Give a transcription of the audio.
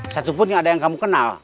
satu pun gak ada yang kamu kunci